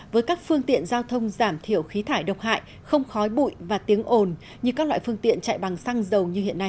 với các phương tiện giao thông giảm thiểu khí thải độc hại không khói bụi và tiếng ồn như các loại phương tiện chạy bằng xăng dầu như hiện nay